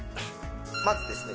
まずですね